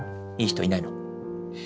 いい人いないの？